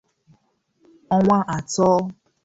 ọnwa atọ